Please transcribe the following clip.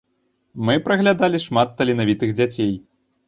Мы праглядалі шмат таленавітых дзяцей.